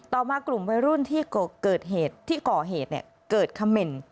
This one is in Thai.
ต่อมากลุ่มวัยรุ่นที่เกิดเหตุที่ก่อเหตุเกิดคำเหม็น